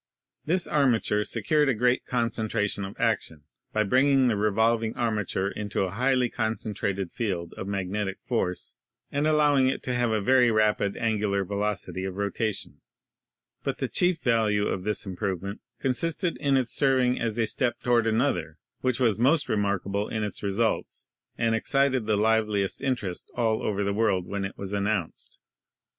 This armature secured a great concentration of action by bringing the revolving armature into a highly concen trated field of magnetic force and allowing it to have a very rapid angular velocity of rotation. But the chief value of this improvement consisted in its serving as a step toward another, which was most remarkable in its re sults and excited the liveliest interest all over the world when it was announced.